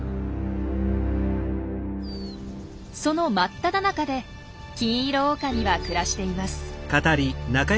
その真っただ中でキンイロオオカミは暮らしています。